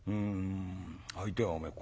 相手はおめえ